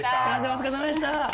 お疲れさまでした！